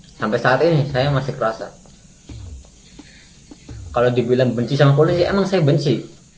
hai sampai saat ini saya masih kerasa kalau dibilang benci sama kulit emang saya benci